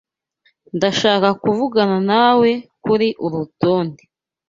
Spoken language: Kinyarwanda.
Ndashaka kuvugana nawe kuri uru rutonde.